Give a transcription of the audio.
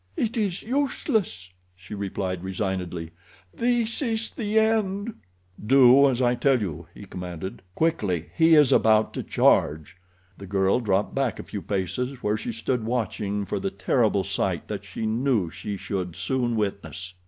"It is useless," she replied, resignedly. "This is the end." "Do as I tell you," he commanded. "Quickly! He is about to charge." The girl dropped back a few paces, where she stood watching for the terrible sight that she knew she should soon witness.